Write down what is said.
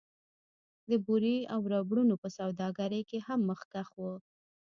د بورې او ربړونو په سوداګرۍ کې هم مخکښ و